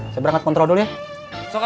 saya berangkat kontrol dulu ya